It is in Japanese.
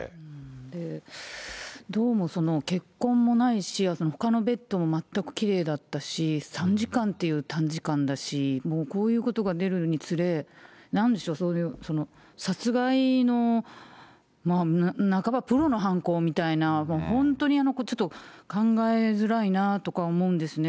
どうも、血痕もないし、ほかのベッドも全くきれいだったし、３時間っていう短時間だし、もうこういうことが出るにつれ、なんでしょう、殺害の、なかばプロの犯行みたいな、本当にちょっと、考えづらいなとか思うんですね。